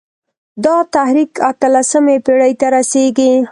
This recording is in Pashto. دا تحریک اته لسمې پېړۍ ته رسېږي.